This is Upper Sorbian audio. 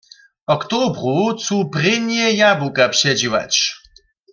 W oktobru chcu prěnje jabłuka předźěłać.